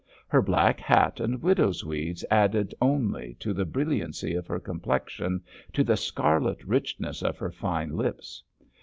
Her black hat and widow's weeds added only to the brilliancy of her complexion, to the scarlet richness of her fine lips.